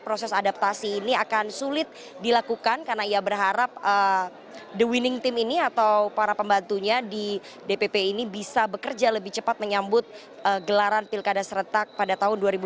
proses adaptasi ini akan sulit dilakukan karena ia berharap the winning team ini atau para pembantunya di dpp ini bisa bekerja lebih cepat menyambut gelaran pilkada seretak pada tahun dua ribu dua puluh